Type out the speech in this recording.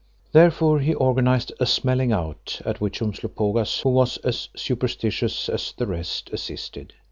Therefore he organised a "smelling out" at which Umslopogaas, who was as superstitious as the rest, assisted.